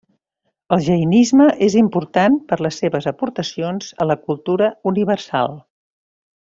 El jainisme és important per les seves aportacions a la cultura universal.